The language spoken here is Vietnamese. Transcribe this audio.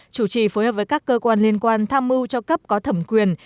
chủ trì phối hợp với các cơ quan liên quan tham mưu cho cấp có thẩm quyền